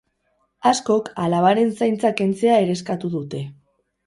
Askok alabaren zaintza kentzea ere eskatu dute.